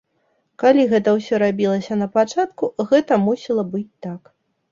Калі гэта ўсё рабілася на пачатку, гэта мусіла быць так.